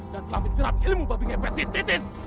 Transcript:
dan telah menjeram ilmu babi ngepet si titin